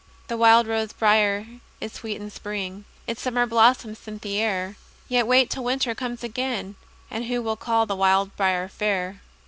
The wild rose briar is sweet in spring, Its summer blossoms scent the air; Yet wait till winter comes again, And who will call the wild briar fair?